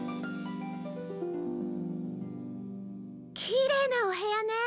きれいなお部屋ね。